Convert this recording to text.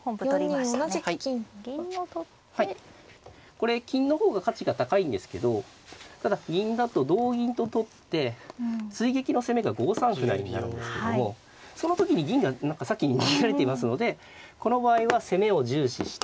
これ金の方が価値が高いんですけどただ銀だと同銀と取って追撃の攻めが５三歩成になるんですけどもその時に銀が先に逃げられていますのでこの場合は攻めを重視してまあスピードですね。